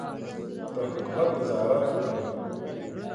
د حکومت نظارت وکړي.